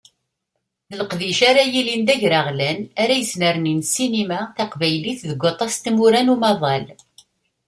D leqdic ara yilin d agraɣlan, ara yesnernin ssinima taqbaylit deg waṭas n tmura n umaḍal.